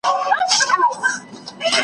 مشران د ملت برخلیک بدلوي.